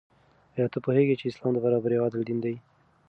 آیا ته پوهېږې چې اسلام د برابرۍ او عدل دین دی؟